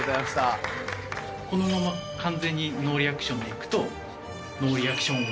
このまま完全にノーリアクションでいくと、ノーリアクション王。